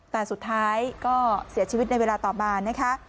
แต่สุดท้ายก็เสียชีวิตในเวลาต่อมานะคะ